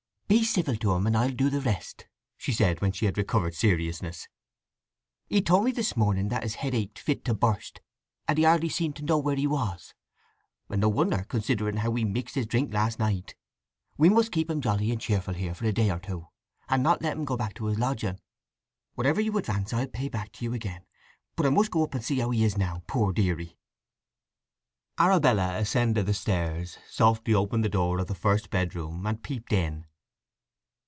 "Be civil to him, and I'll do the rest," she said when she had recovered seriousness. "He told me this morning that his head ached fit to burst, and he hardly seemed to know where he was. And no wonder, considering how he mixed his drink last night. We must keep him jolly and cheerful here for a day or two, and not let him go back to his lodging. Whatever you advance I'll pay back to you again. But I must go up and see how he is now, poor deary." Arabella ascended the stairs, softly opened the door of the first bedroom, and peeped in.